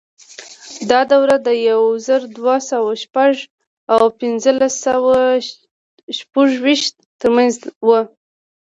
دا دوره د یو زر دوه سوه شپږ او پنځلس سوه شپږویشت ترمنځ وه.